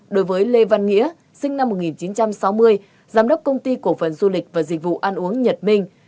đối với lê văn nghĩa sinh năm một nghìn chín trăm sáu mươi giám đốc công ty cổ phần du lịch và dịch vụ ăn uống nhật minh